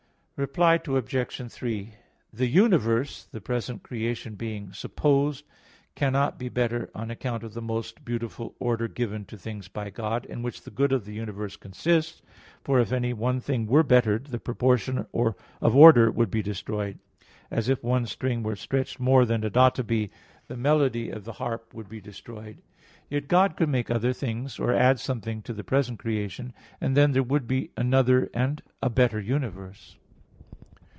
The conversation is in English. Reply Obj. 3: The universe, the present creation being supposed, cannot be better, on account of the most beautiful order given to things by God; in which the good of the universe consists. For if any one thing were bettered, the proportion of order would be destroyed; as if one string were stretched more than it ought to be, the melody of the harp would be destroyed. Yet God could make other things, or add something to the present creation; and then there would be another and a better universe.